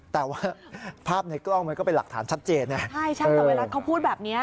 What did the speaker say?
แต่ว่าภาพในกล้องมันก็เป็นหลักฐานชัดเจนนะใช่ใช่แต่เวลาเขาพูดแบบเนี้ย